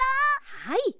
はい。